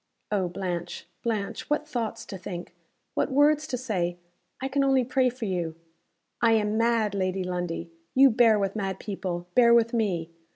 "Oh, Blanche, Blanche, what thoughts to think! what words to say! I can only pray for you." "I am mad, Lady Lundie. You bear with mad people. Bear with me.